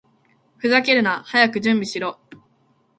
ふざけるな！早く準備しろ！